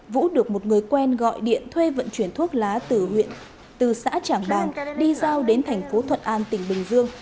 vũ được một người quen gọi điện thuê vận chuyển thuốc lá từ huyện từ xã trảng bàng đi giao đến thành phố thuận an tỉnh bình dương